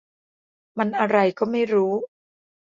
มันอะไรก็ไม่รู้